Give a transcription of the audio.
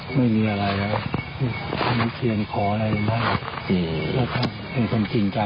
อย่างนี้บอกครูหยัดท่านถึงบนทุกข์เลยนะ